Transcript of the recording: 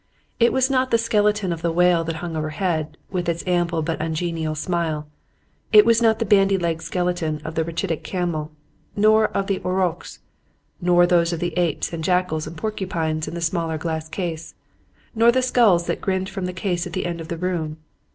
It was not the skeleton of the whale that hung overhead, with its ample but ungenial smile; it was not the bandy legged skeleton of the rachitic camel, nor that of the aurochs, nor those of the apes and jackals and porcupines in the smaller glass case; nor the skulls that grinned from the case at the end of the room.